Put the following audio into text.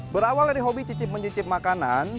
berawal dari hobi cicip mencicip makanan